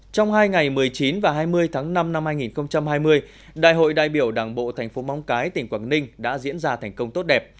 trong hai ngày một mươi chín và hai mươi tháng năm năm hai nghìn hai mươi đại hội đại biểu đảng bộ thành phố móng cái tỉnh quảng ninh đã diễn ra thành công tốt đẹp